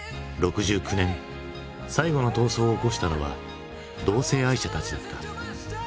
６９年最後の闘争を起こしたのは同性愛者たちだった。